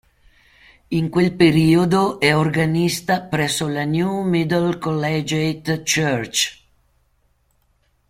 In quel periodo è organista presso la New Middle Collegiate Church.